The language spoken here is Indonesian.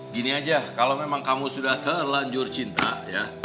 gini aja kalau memang kamu sudah terlanjur cinta ya